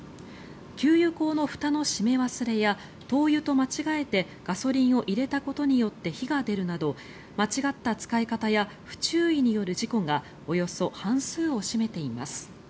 給油口のふたの閉め忘れや灯油と間違えてガソリンを入れたことによって火が出るなど間違った使い方や不注意による事故がおよそ半数を占めています。